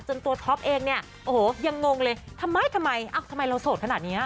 ตัวท็อปเองเนี่ยโอ้โหยังงงเลยทำไมทำไมเราโสดขนาดนี้